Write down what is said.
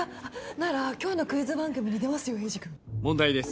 なら今日のクイズ番組に出ますよ栄治くん問題です